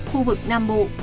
khu vực nam bộ